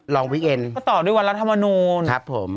ลองพวิเวคเอ็นต่อด้วยวันรัฐธรรมนูญครับผม